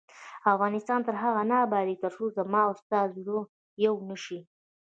افغانستان تر هغو نه ابادیږي، ترڅو زما او ستا زړه یو نشي.